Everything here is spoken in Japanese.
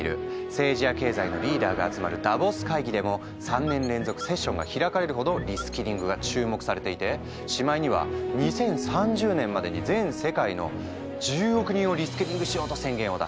政治や経済のリーダーが集まるダボス会議でも３年連続セッションが開かれるほどリスキリングが注目されていてしまいには２０３０年までに全世界の１０億人をリスキリングしようと宣言を出した。